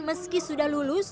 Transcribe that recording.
meski sudah lulus